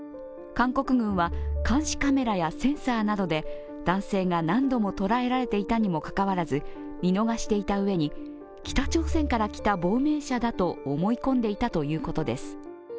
韓国軍は監視カメラやセンサーなどで男性が何度も捕らえられていたにもかかわらず、見逃していたうえに北朝鮮から来た亡命者だと思い込んでいたということです。